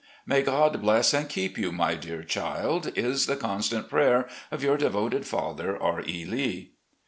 May God bless and keep you, my dear child, is the constant prayer of " Y our devoted father, R. E. Lee.